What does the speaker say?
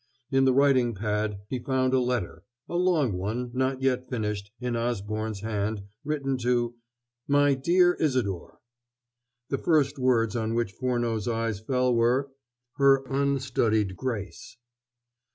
In the writing pad he found a letter a long one, not yet finished, in Osborne's hand, written to "My dear Isadore." The first words on which Furneaux's eyes fell were "her unstudied grace...."